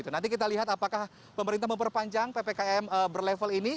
nanti kita lihat apakah pemerintah memperpanjang ppkm berlevel ini